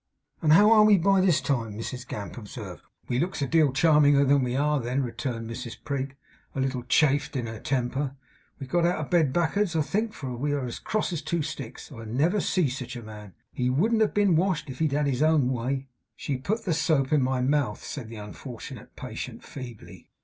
'And how are we by this time?' Mrs Gamp observed. 'We looks charming.' 'We looks a deal charminger than we are, then,' returned Mrs Prig, a little chafed in her temper. 'We got out of bed back'ards, I think, for we're as cross as two sticks. I never see sich a man. He wouldn't have been washed, if he'd had his own way.' 'She put the soap in my mouth,' said the unfortunate patient feebly.